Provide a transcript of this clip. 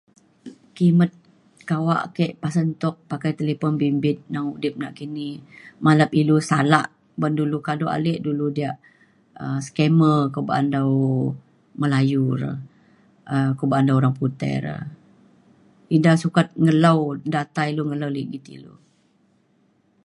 kimet kawak ke pasen tuk pakai talipon bimbit na udip nakini malap ilu salak ban dulu kado ale dulu diak um scammer ko ba'an dau Melayu re um ko ba'an dau orang putih re. ida sukat ngelau data ilu ngelau ligit ilu.